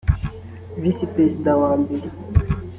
visi perezida wa mbere